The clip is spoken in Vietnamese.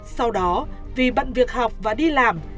sau đó vì bận việc học và đi làm